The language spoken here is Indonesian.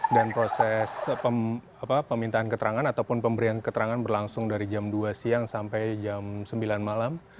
dan proses pemintaan keterangan ataupun pemberian keterangan berlangsung dari jam dua siang sampai jam sembilan malam